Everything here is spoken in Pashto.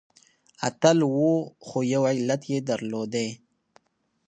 اتل و خو يو علت يې درلودی .